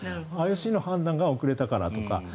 ＩＯＣの判断が遅れたからとか